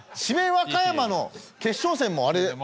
和歌山の決勝戦もあれ。